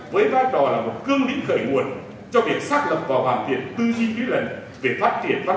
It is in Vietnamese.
với vai trò là một cương lĩnh khởi nguồn cho việc xác lập và hoàn thiện tư duy lý lần